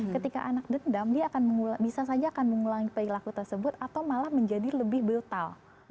ketika anak dendam dia akan bisa saja akan mengulangi perilaku tersebut atau malah menjadi lebih brutal